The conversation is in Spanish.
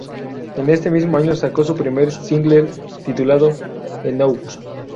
En este mismo año, sacó su primer single titulado ""Enough"".